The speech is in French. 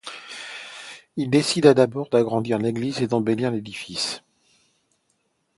Il décida d'abord d'agrandir l'église et d'embellir l'édifice.